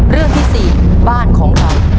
เรื่องที่๔บ้านของเรา